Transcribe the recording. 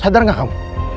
sadar gak kamu